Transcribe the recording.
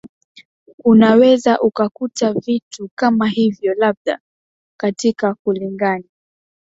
unaweza ukakuta vitu kama hivyo labda katika kulingani